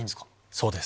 そうです。